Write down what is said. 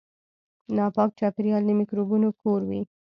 ناپاک چاپیریال د میکروبونو کور وي.